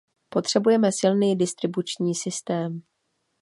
Potřebujeme silný distribuční systém.